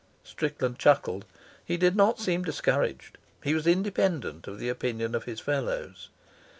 Strickland chuckled. He did not seem discouraged. He was independent of the opinion of his fellows.